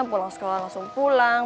pulang sekolah langsung pulang